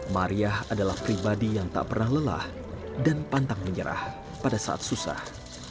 maria adalah pribadi yang tak pernah lelah dan pantang menyerah pada saat susah